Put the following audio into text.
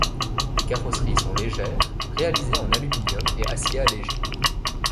Les carrosseries sont légères, réalisées en aluminium et acier allégé.